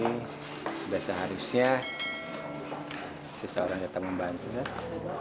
sudah seharusnya seseorang datang membantu sus